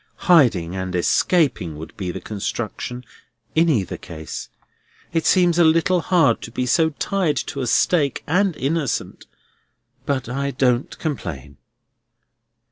Hiding and escaping would be the construction in either case. It seems a little hard to be so tied to a stake, and innocent; but I don't complain."